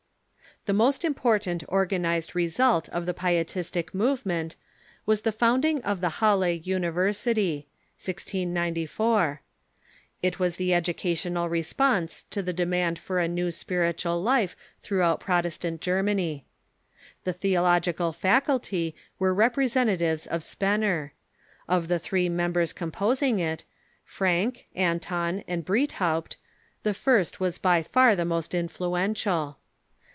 The most important organized result of the Pietistic move ment Avas the founding of the Halle University (1694). It was the educational response to the demand for a new spiritual life throughout Protestant Ger many. The theological faculty were representatives of Spe ner. Of the three members composing it, Francke, Anton, and Breithaupt, the first was by far the most influential.